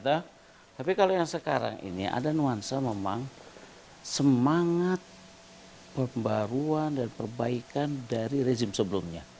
tapi kalau yang sekarang ini ada nuansa memang semangat pembaruan dan perbaikan dari rezim sebelumnya